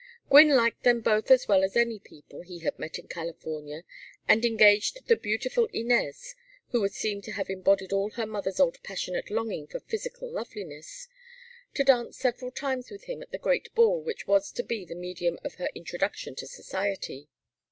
Gwynne liked them both as well as any people he had met in California, and engaged the beautiful Inez who would seem to have embodied all her mother's old passionate longing for physical loveliness to dance several times with him at the great ball which was to be the medium of her introduction to society.